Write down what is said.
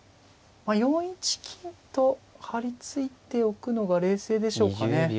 ４一金と張り付いておくのが冷静でしょうかね。